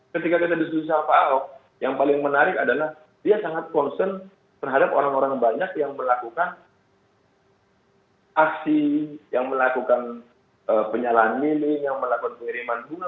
ketika kita diskusi sama pak ahok yang paling menarik adalah dia sangat concern terhadap orang orang banyak yang melakukan aksi yang melakukan penyalahan mini yang melakukan pengiriman bunga